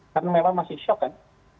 karena memang masih shock kan